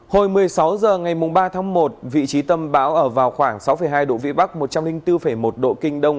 hồi một mươi sáu h ngày ba tháng một vị trí tâm bão ở vào khoảng sáu hai độ vĩ bắc một trăm linh bốn một độ kinh đông